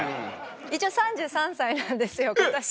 一応３３歳なんですよ今年。